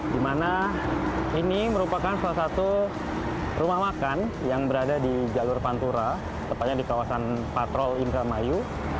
di mana ini merupakan salah satu rumah makan yang berada di jalur pantura tepatnya di kawasan patrol indramayu